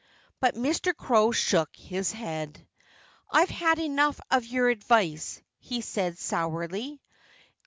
But Mr. Crow shook his head. "I've had enough of your advice," he said sourly.